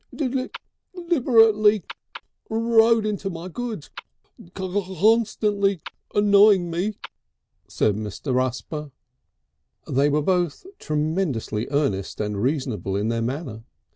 "Deliber (kik) lib (kik) liberately rode into my goods (kik). Constantly (kik) annoying me (kik)!" said Mr. Rusper.... They were both tremendously earnest and reasonable in their manner.